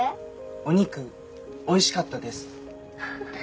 お肉おいしかったです。